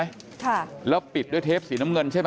กลุ่มตัวเชียงใหม่